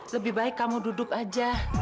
lebih baik kamu duduk aja